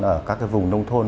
ở các vùng nông thôn